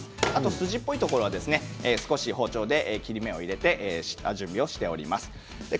筋っぽいところは少し包丁で切り目を入れて下準備をしています。